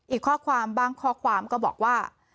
อีกข้อความบางข้อความก็บอกว่า